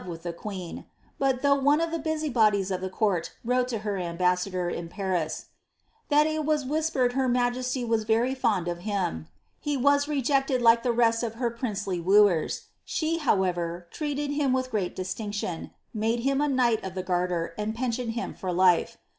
h the queen, but itiLiu^li one of ilie busy bodius o[ tlie court wrote to lu:; aiubaa 140 BIillABaTH. •ador in Fkiis, ^ timt il was whvspend her majesty was wtry fond of him," he was rejected like the rest of her princely wooers ; she, hoir ever, treated him with great distinction, made him a knight of the gar* ter, and pensioned him for life.